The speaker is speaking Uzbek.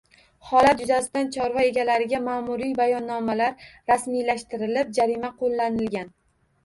Holat yuzasidan chorva egalariga ma’muriy bayonnomalar rasmiylashtirilib, jarima qo‘llanilgan